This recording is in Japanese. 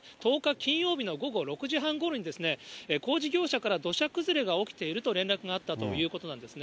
金曜日の午後６時半ごろに、工事業者から、土砂崩れが起きていると連絡があったということなんですね。